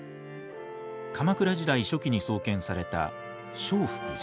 鎌倉時代初期に創建された聖福寺。